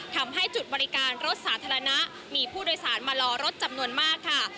ทำให้จุดบริการรถสาธารณะมีผู้โดยสารมารอรถจำนวนมากค่ะ